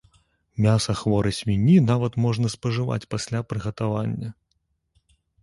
Мяса хворай свінні нават можна спажываць пасля прыгатавання.